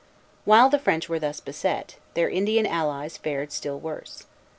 While the French were thus beset, their Indian allies fared still worse.